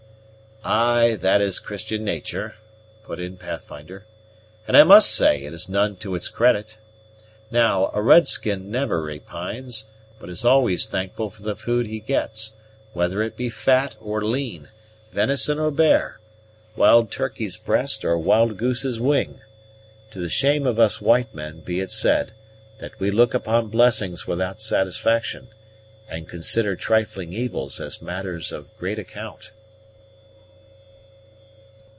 "Ay, that is Christian natur'," put in Pathfinder; "and I must say it is none to its credit. Now, a red skin never repines, but is always thankful for the food he gets, whether it be fat or lean, venison or bear, wild turkey's breast or wild goose's wing. To the shame of us white men be it said, that we look upon blessings without satisfaction, and consider trifling evils as matters of great account."